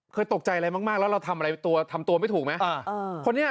ตกใจอะไรมากแล้วเราทำอะไรตัวทำตัวไม่ถูกไหม